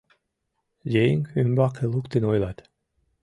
Еҥ ӱмбаке луктын ойлат.